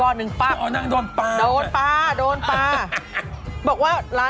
โดนป่า